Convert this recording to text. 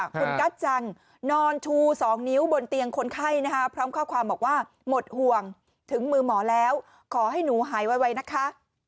คุณกัจจังนอนชู๒นิ้วบนเตียงคนไข้นะคะพร้อมข้อความบอกว่าหมดห่วงถึงมือหมอแล้วขอให้หนูหายไวนะคะ